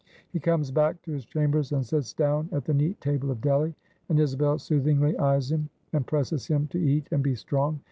He comes back to his chambers, and sits down at the neat table of Delly; and Isabel soothingly eyes him, and presses him to eat and be strong.